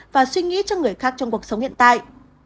và suy nghĩ cho người khác trong cuộc sống hiện tại